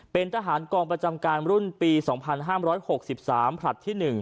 เป็นทหารกองประจำการรุ่นปี๒๕๖๓ผลัดที่๑